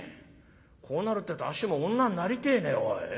こうなるってえとあっしも女になりてえねおい。